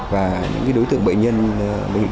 và những đối tượng bệnh nhân